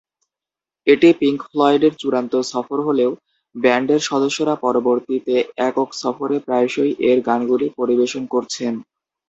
এটি পিংক ফ্লয়েডের চূড়ান্ত সফর হলেও, ব্যান্ডের সদস্যরা পরবর্তীতে একক সফরে প্রায়শই এর গানগুলি পরিবেশন করছেন।